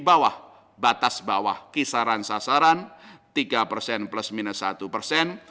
di bawah batas bawah kisaran sasaran tiga persen plus minus satu persen